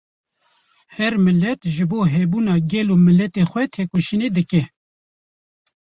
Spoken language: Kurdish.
Her milet ji bo hebûna gel û miletê xwe têkoşînê dike